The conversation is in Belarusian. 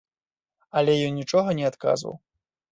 Але ён нічога не адказваў.